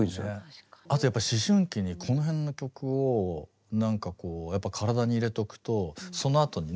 あとやっぱ思春期にこの辺の曲をなんかこうやっぱ体に入れとくとそのあとにね